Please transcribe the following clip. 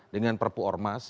dengan perpu ormas